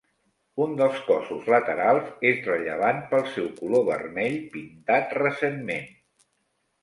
Un dels cossos laterals és rellevant pel seu color vermell pintat recentment.